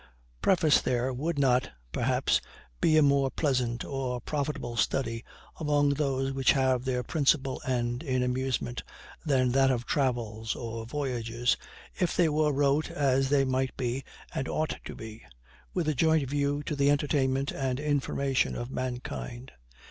PREFACE THERE would not, perhaps, be a more pleasant or profitable study, among those which have their principal end in amusement, than that of travels or voyages, if they were wrote as they might be and ought to be, with a joint view to the entertainment and information of mankind.